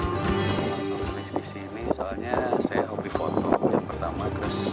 di sini soalnya saya hobi foto yang pertama